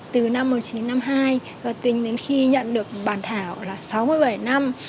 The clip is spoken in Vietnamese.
từ năm một nghìn chín trăm năm mươi hai và tính đến khi nhận được bản thảo là sáu mươi bảy năm